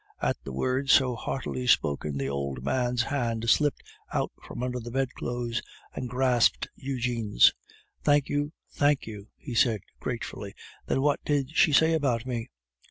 At the words so heartily spoken the old man's hand slipped out from under the bedclothes and grasped Eugene's. "Thank you, thank you," he said, gratefully. "Then what did she say about me?"